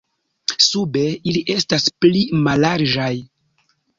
Sube ili estas pli mallarĝaj.